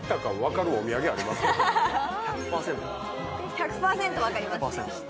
１００％分かります。